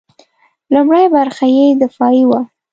لومړۍ برخه یې دفاعي وه.